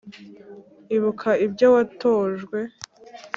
ibuka ibyo watojwe